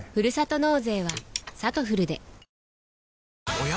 おや？